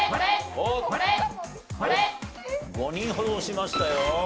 ５人ほど押しましたよ。